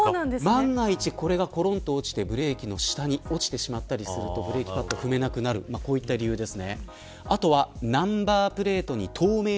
万が一、これがブレーキの下に落ちてしまったりするとブレーキパットが踏めなくなるなどの理由です。